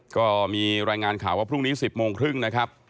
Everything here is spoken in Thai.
ก็มีรายงานข่าวว่าพรุ่งนี้๑๐โมงครึ่งนะครับ